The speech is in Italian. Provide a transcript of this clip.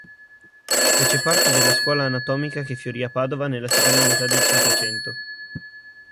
Fece parte della scuola anatomica che fiorì a Padova nella seconda metà del Cinquecento.